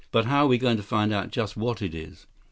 "But how are we going to find out just what it is?"